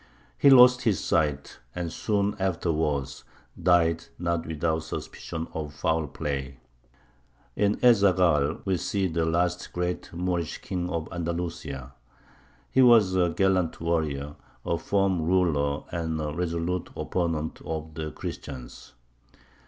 He lost his sight, and soon afterwards died, not without suspicion of foul play. In Ez Zaghal we see the last great Moorish King of Andalusia. He was a gallant warrior, a firm ruler, and a resolute opponent of the Christians.